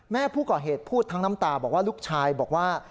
แม่ผู้ก่อเหตุพูดทั้งน้ำตาบอกว่าลูกชายบอกว่า